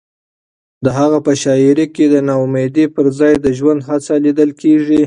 د هغه په شاعرۍ کې د ناامیدۍ پر ځای د ژوند هڅه لیدل کېږي.